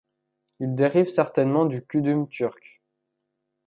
Il dérive certainement du kudum turc.